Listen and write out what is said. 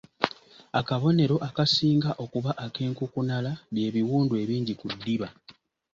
Akabonero akasinga okuba ak’enkukunala bye biwundu ebingi ennyo ku ddiba.